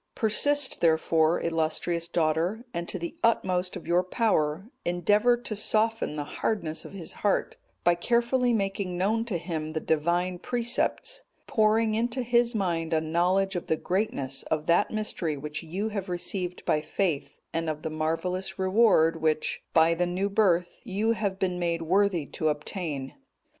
Persist, therefore, illustrious daughter, and to the utmost of your power endeavour to soften the hardness of his heart by carefully making known to him the Divine precepts; pouring into his mind a knowledge of the greatness of that mystery which you have received by faith, and of the marvellous reward which, by the new birth, you have been made worthy to obtain.